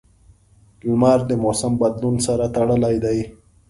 • لمر د موسم بدلون سره تړلی دی.